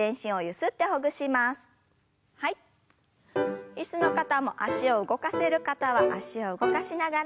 椅子の方も脚を動かせる方は脚を動かしながら。